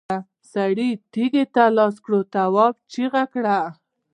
سړي تېږې ته لاس کړ، تواب چيغه کړه!